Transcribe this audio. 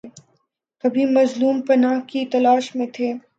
کبھی مظلوم پناہ کی تلاش میں تھے۔